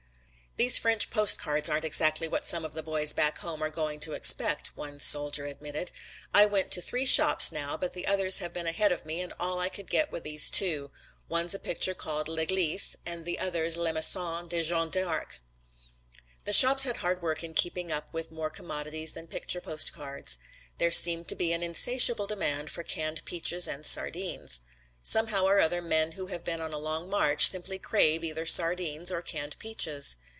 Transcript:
"These French postcards aren't exactly what some of the boys back home are going to expect," one soldier admitted. "I went to three shops now but the others have been ahead of me and all I could get was these two. One's a picture called 'l'eglise' and the other's 'la maison de Jeanne d'Arc.'" The shops had hard work in keeping up with more commodities than picture postcards. There seemed to be an insatiable demand for canned peaches and sardines. Somehow or other men who have been on a long march simply crave either sardines or canned peaches.